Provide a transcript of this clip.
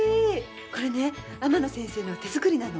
これね天野先生の手作りなの。